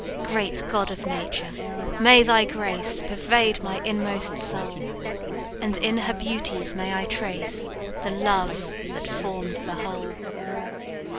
Great God of nature! may thy grace Pervade my inmost soul; And in her beauties may I trace The love that form'd the whole!"